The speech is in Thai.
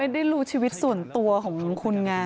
ได้รู้ชีวิตส่วนตัวของคุณไง